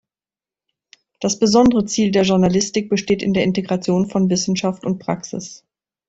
Das besondere Ziel der Journalistik besteht in der Integration von Wissenschaft und Praxis.